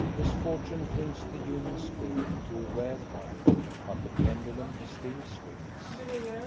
Misfortune brings the human spirit to a rare height, but the pendulum still swings.